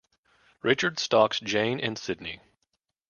Richard stalks Jane and Sydney.